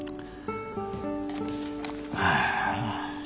ああ。